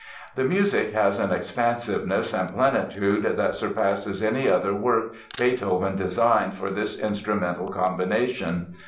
The music has an expansiveness and plenitude that surpass any other work Beethoven designed for this instrumental combination.